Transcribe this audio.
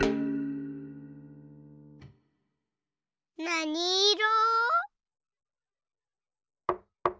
なにいろ？